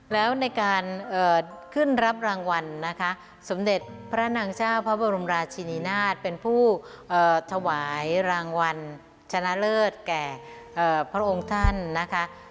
แล้วในการขึ้นรับรางวัลนะคะสมเด็จพระนางเจ้าพระบรมราชินินาศเป็นผู้ถวายรางวัลชนะเลิศแก่พระองค์ท่านนะคะ